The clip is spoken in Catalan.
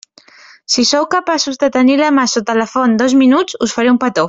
Si sou capaços de tenir la mà sota la font dos minuts, us faré un petó.